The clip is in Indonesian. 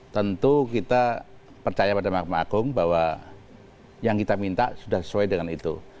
tentu kita percaya pada mahkamah agung bahwa yang kita minta sudah sesuai dengan itu